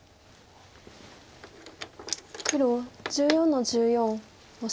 黒１４の十四オシ。